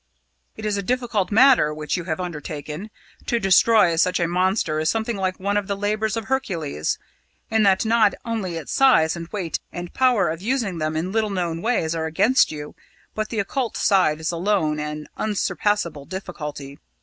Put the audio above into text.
"It is a difficult matter which you have undertaken. To destroy such a monster is something like one of the labours of Hercules, in that not only its size and weight and power of using them in little known ways are against you, but the occult side is alone an unsurpassable difficulty.